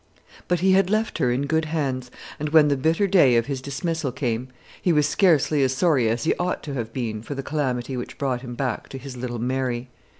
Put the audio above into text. But he had left her in good hands; and when the bitter day of his dismissal came, he was scarcely as sorry as he ought to have been for the calamity which brought him back to his little Mary.